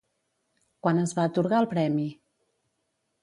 Quan es va atorgar el premi?